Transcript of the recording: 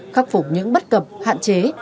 khắc phục những bất cập hạn chế